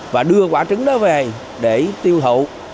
và đưa quả trứng đó về để tiêu thụ